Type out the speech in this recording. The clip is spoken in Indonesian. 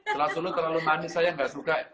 sulat solo terlalu manis saya enggak suka